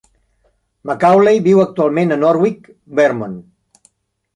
Macaulay viu actualment a Norwich, Vermont.